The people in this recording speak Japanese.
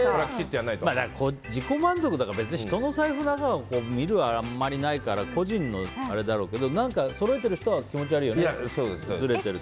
自己満足だから別に人の財布の中を見るのはあまりないから個人のあれだろうけどそろえてる人は気持ち悪いよね、ずれてると。